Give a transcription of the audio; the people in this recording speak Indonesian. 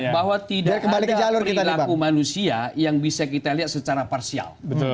bahwa tidak ada perilaku manusia yang bisa kita lihat secara parsial